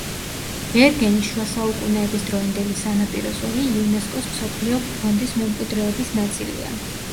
ბერგენის შუასაუკუნეების დროინდელი სანაპირო ზოლი იუნესკოს მსოფლიო ფონდის მემკვიდრეობის ნაწილია.